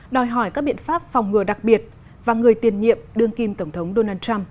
đòi hỏi các biện pháp phòng ngừa đặc biệt và người tiền nhiệm đương kim tổng thống donald trump